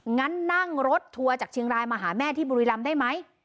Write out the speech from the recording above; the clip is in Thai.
งั้นนั่งรถทัวร์จากเชียงรายมาหาแม่ที่บุรีรำได้ไหม